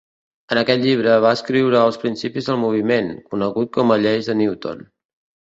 En aquest llibre va escriure els principis del moviment, conegut com a lleis de Newton.